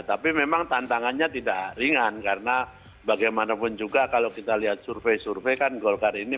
tapi memang tantangannya tidak ringan karena bagaimanapun juga kalau kita lihat survei survei kan golkar ini